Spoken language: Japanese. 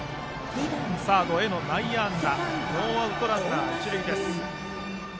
サードへの内野安打でノーアウトランナー、一塁です。